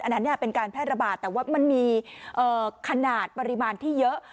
อันนั้นเป็นการแพร่ระบาดแต่ว่ามันมีขนาดปริมาณที่เยอะ